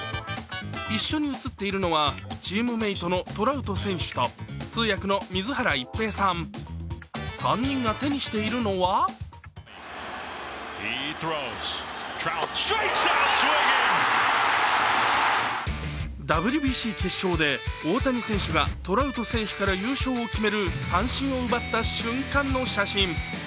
一緒に写っているのは、チームメイトのトラウト選手と通訳の水原一平さん、３人が手にしているのはＷＢＣ決勝で大谷選手がトラウト選手から優勝を決める三振を奪った瞬間の写真。